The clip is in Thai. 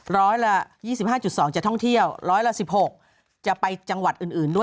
ร้อยละ๒๕๒จะท่องเที่ยวร้อยละ๑๖จะไปจังหวัดอื่นด้วย